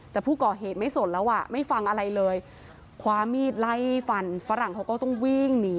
แต่ผู้ก่อเหตุไม่สนแล้วอ่ะไม่ฟังอะไรเลยคว้ามีดไล่ฟันฝรั่งเขาก็ต้องวิ่งหนี